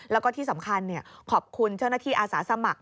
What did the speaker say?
แล้วก็ที่สำคัญขอบคุณเจ้าหน้าที่อาสาสมัคร